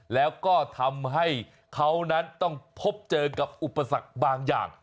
แล้วก็ทำให้เขานั้นต้องพบเจอกับอุปสรรคบางอย่าง